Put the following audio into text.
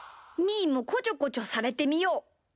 ーも、こちょこちょされてみよう。